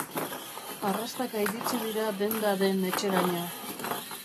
Arrastaka iritsi dira denda den etxeraino.